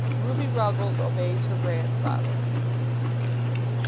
RUBY RUGGLES OBEYS HER GRANDFATHER.